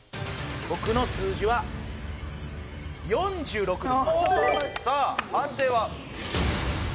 僕の数字は４６ですさあ判定は？